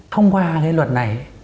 thông qua luật này